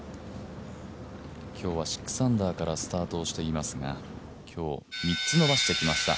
今日は６アンダーからスタートをしていますが今日、３つ伸ばしてきました。